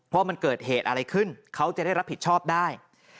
ว่ามันเกิดเหตุอะไรขึ้นเขาจะได้รับผิดชอบได้